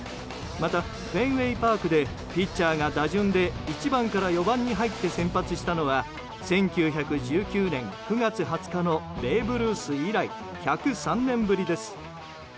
またフェンウェイパークでピッチャーが打順で１番から４番に入って先発したのは１９１９年９月２０日のベーブ・ルース以来１０３年ぶりです。